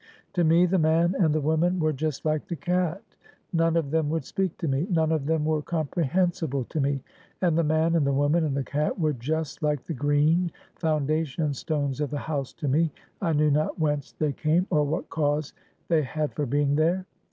To me the man and the woman were just like the cat; none of them would speak to me; none of them were comprehensible to me. And the man, and the woman, and the cat, were just like the green foundation stones of the house to me; I knew not whence they came, or what cause they had for being there.